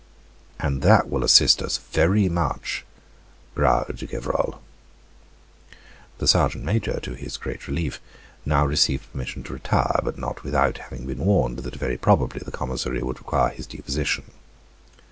"And that will assist us very much," growled Gevrol. The sergeant major, to his great relief, now received permission to retire, but not without having been warned that very probably the commissary would require his deposition.